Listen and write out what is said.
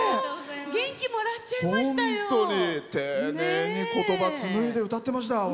元気もらっちゃいましたよ。